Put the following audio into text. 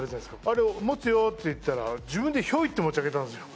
あれを「持つよ」って言ったら自分でひょいって持ち上げたんですよ。